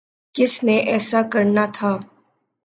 کس نے ایسا کرنا تھا؟